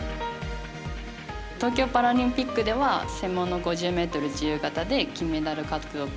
東京パラリンピックでは専門の５０ｍ自由形で金メダル獲得。